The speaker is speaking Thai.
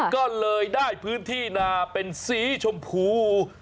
ก็เลยได้พื้นที่นาเป็นสีชมพู